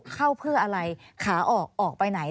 เข้าเพื่ออะไรขาออกออกไปไหน